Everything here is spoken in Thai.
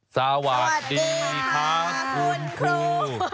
สวัสดีครับคุณครู